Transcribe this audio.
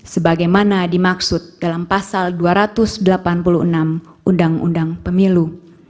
sebagaimana dimaksud dalam pasal dua ratus delapan puluh enam undang undang pemilu